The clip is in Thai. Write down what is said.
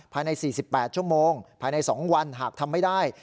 ภายใน๔๘ชั่วโมงภายใน๒วันหากทำไม่ได้